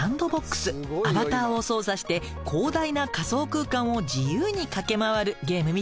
アバターを操作して広大な仮想空間を自由に駆け回るゲームみたい。